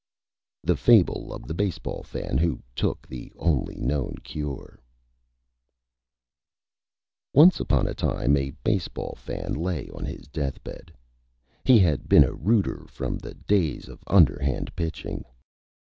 _ THE FABLE OF THE BASE BALL FAN WHO TOOK THE ONLY KNOWN CURE Once upon a Time a Base Ball Fan lay on his Death Bed. He had been a Rooter from the days of Underhand Pitching.